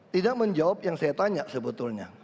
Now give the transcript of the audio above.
tidak menjawab yang saya tanya sebetulnya